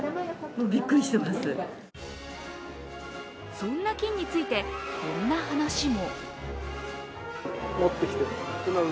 そんな金について、こんな話も。